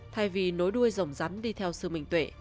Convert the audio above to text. thay vì nối đuôi rồng rắn đi theo sự minh tuệ